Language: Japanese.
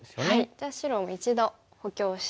じゃあ白も一度補強して。